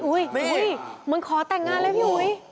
อุ๊ยมึงขอแต่งหน้าเลยพี่อุ๊ย